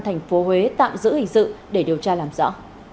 thành phố huế tạm giữ hình sự để điều tra làm rõ